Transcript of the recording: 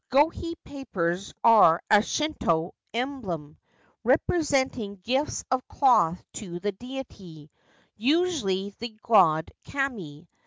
1 Gohei papers are a Shinto emblem, representing gifts of cloth to the deity, usually the god Kami.